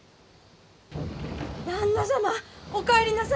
・・旦那様お帰りなさいまし！